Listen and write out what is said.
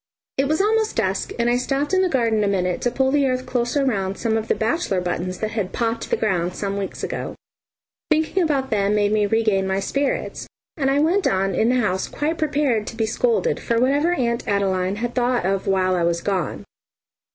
It was almost dusk, and I stopped in the garden a minute to pull the earth closer round some of the bachelor's buttons that had "popped" the ground some weeks ago. Thinking about them made me regain my spirits, and I went on in the house quite prepared to be scolded for whatever Aunt Adeline had thought of while I was gone.